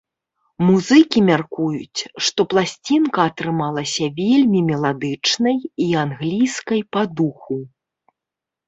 Музыкі мяркуюць, што пласцінка атрымалася вельмі меладычнай і англійскай па духу.